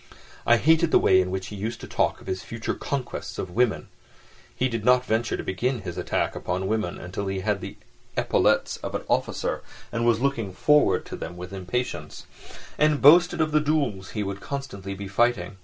I hated the way in which he used to talk of his future conquests of women (he did not venture to begin his attack upon women until he had the epaulettes of an officer, and was looking forward to them with impatience), and boasted of the duels he would constantly be fighting.